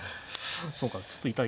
そうかちょっと痛いか。